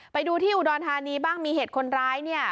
ไปดูที่อุดรธานีบ้างมีเหตุคนร้ายเนี่ย